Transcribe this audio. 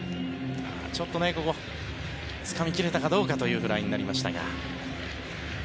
ちょっとここつかみ切れたかどうかというフライになりましたが。